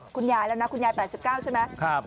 คุณยายแล้วนะคุณยายประดาษาเป็น๘๙ใช่ไหม